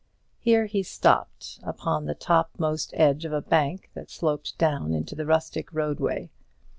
Here he stopped, upon the top most edge of a bank that sloped down into the rustic roadway.